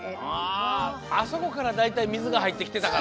あそこからだいたいみずがはいってきてたからね。